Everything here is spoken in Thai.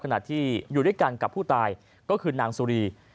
ขณะที่อยู่ด้วยกันกับผู้ตายก็คือนางสุรี